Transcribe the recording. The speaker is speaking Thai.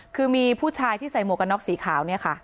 คือมีผู้ชายที่ใส่หมวกกันน็อกสีขาวเนี่ยค่ะ